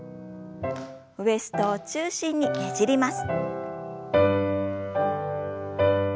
ウエストを中心にねじります。